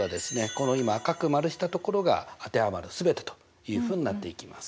この今赤く丸したところが当てはまる全てというふうになっていきます。